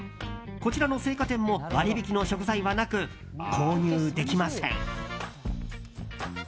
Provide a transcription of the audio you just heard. こちらの青果店も割引の食材はなく購入できません。